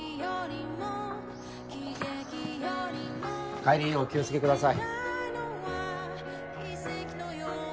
帰りお気を付けください。